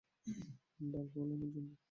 বাল ফালানোর জন্য?